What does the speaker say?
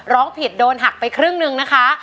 ร้องผิดโดนหักไปครึ่งนึงนะคะ